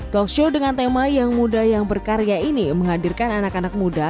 talk show dengan tema yang muda yang berkarya ini menghadirkan anak anak muda